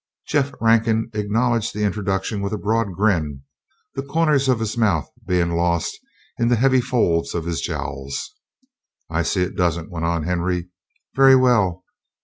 Jeff Rankin acknowledged the introduction with a broad grin, the corners of his mouth being lost in the heavy fold of his jowls. "I see it doesn't," went on Henry. "Very well.